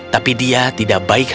tapi dia tidak baiknya